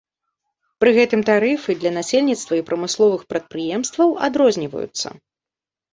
Пры гэтым тарыфы для насельніцтва і прамысловых прадпрыемстваў адрозніваюцца.